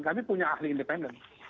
kami punya ahli independen